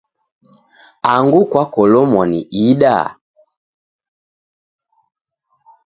Angu kwakolomwa ni ida?